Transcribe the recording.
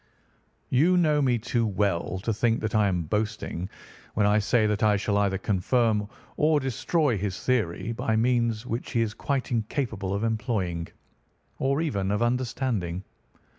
You know me too well to think that I am boasting when I say that I shall either confirm or destroy his theory by means which he is quite incapable of employing, or even of understanding.